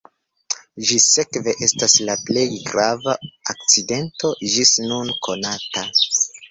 Ĝi sekve estas la plej grava akcidento ĝis nun konata.